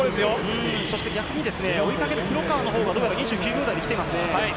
逆に追いかける黒川のほうは２９秒台できてますね。